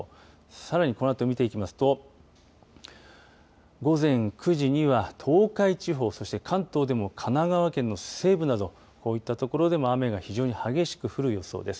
さらにこのあと見ていきますと午前９時には東海地方そして関東でも神奈川県の西部などこういった所でも雨が非常に激しく降る予想です。